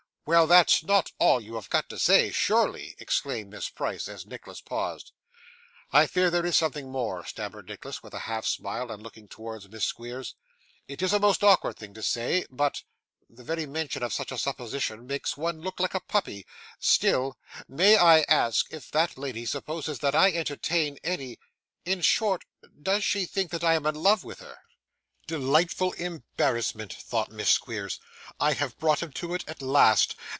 'Well; that's not all you have got to say surely,' exclaimed Miss Price as Nicholas paused. 'I fear there is something more,' stammered Nicholas with a half smile, and looking towards Miss Squeers, 'it is a most awkward thing to say but the very mention of such a supposition makes one look like a puppy still may I ask if that lady supposes that I entertain any in short, does she think that I am in love with her?' 'Delightful embarrassment,' thought Miss Squeers, 'I have brought him to it, at last.